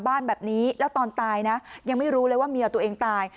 บ้านแบบนี้แล้วตอนตายนะยังไม่รู้เลยว่าเมียตัวเองตาย